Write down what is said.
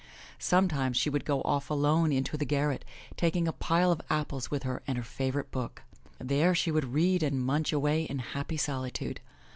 Sometimes she would go off alone up into the garret, taking a pile of apples with her and her favorite book. There she would read and munch away in happy solitude.